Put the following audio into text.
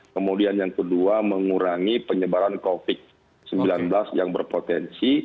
kemudian yang kedua mengurangi penyebaran covid sembilan belas yang berpotensi